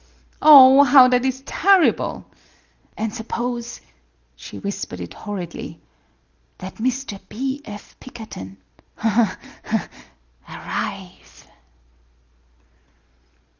Oh, how that is tarrible! An' sup pose" she whispered it horridly " that Mr. B. F. Pikkerton aha, ha, ha! arrive?"